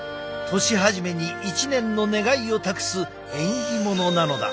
年初めに一年の願いを託す縁起物なのだ。